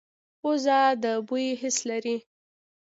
پوزه د بوی حس لري